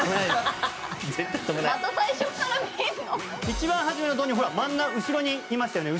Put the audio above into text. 一番初めはほら後ろにいましたよね。